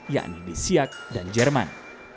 yakni di siak dan jerman